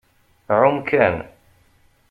Ɛum kan.